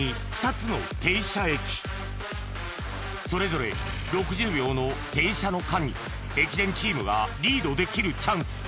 それぞれ６０秒の停車の間に駅伝チームがリードできるチャンス